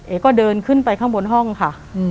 ก็เดินขึ้นไปข้างบนห้องค่ะ